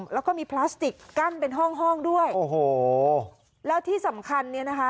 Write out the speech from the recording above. แล้วก็มีพลาสติกกั้นเป็นห้องห้องด้วยโอ้โหแล้วที่สำคัญเนี่ยนะคะ